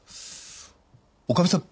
女将さん